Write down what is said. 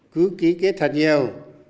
cứ ký kết thật nhiều